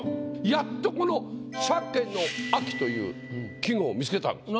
やっとこの「鮭の秋」という季語を見つけたんです。